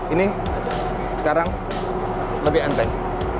ini sekarang lebih enteng